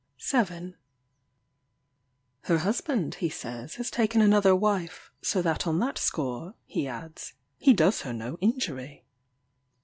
7. Her husband, he says, has taken another wife; "so that on that score," he adds, "he does her no injury."